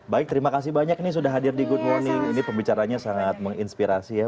baik terima kasih banyak ini sudah hadir di good morning ini pembicaranya sangat menginspirasi ya